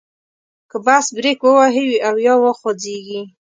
که بس بریک ووهي او یا وخوځیږي.